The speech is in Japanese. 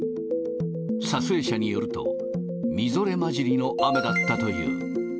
撮影者によると、みぞれ交じりの雨だったという。